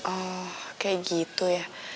oh kayak gitu ya